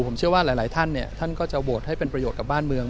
ผมเชื่อว่าหลายท่านท่านก็จะโหวตให้เป็นประโยชน์กับบ้านเมือง